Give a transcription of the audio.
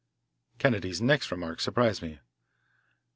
Kennedy's next remark surprised me.